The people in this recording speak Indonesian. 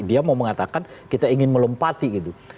dia mau mengatakan kita ingin melompati gitu